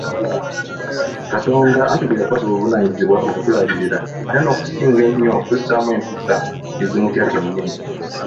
Katonda anti gwe yakwasa obuvunaanyizibwa okutulabirira ate n'okusinga ennyo okutussaamu empisa ezimutya ye kennyini.